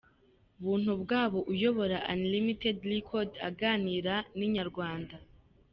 Buntubwayo uyobora Unlimited Record aganira na Inyarwanda.